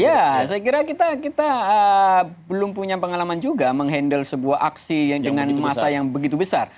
ya saya kira kita belum punya pengalaman juga menghandle sebuah aksi yang dengan masa yang begitu besar